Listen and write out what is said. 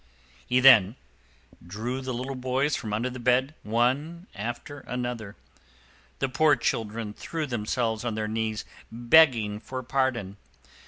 He then drew the little boys from under the bed, one after another. The poor children threw themselves on their knees begging for pardon.